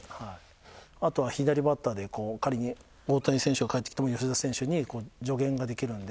あとは左バッターで仮に大谷選手がかえってきても吉田選手に助言ができるので。